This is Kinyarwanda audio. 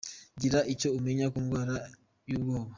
Gira icyo umenya ku ndwara y’ubwoba